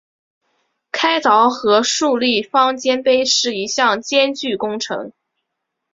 开凿和竖立方尖碑是一项艰巨工程。